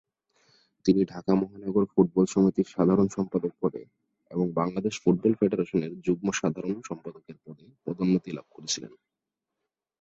তিনি ঢাকা মহানগর ফুটবল সমিতির সাধারণ সম্পাদক পদে এবং বাংলাদেশ ফুটবল ফেডারেশনের যুগ্ম সাধারণ সম্পাদকের পদে পদোন্নতি লাভ করেছিলেন।